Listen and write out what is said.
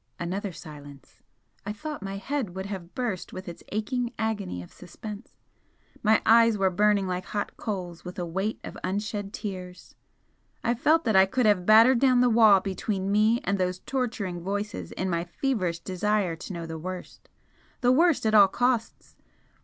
Another silence. I thought my head would have burst with its aching agony of suspense, my eyes were burning like hot coals with a weight of unshed tears. I felt that I could have battered down the wall between me and those torturing voices in my feverish desire to know the worst the worst at all costs!